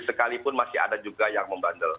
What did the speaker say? sekalipun masih ada juga yang membandel